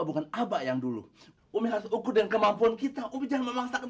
bukan aba yang dulu umilas ukur dan kemampuan kita umidara memaksakan